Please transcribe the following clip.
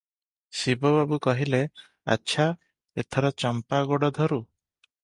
ଶିବୁ ବାବୁ କହିଲେ, "ଆଚ୍ଛା, ଏଥର ଚମ୍ପା ଗୋଡ଼ ଧରୁ ।"